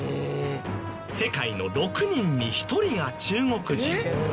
世界の６人に１人が中国人。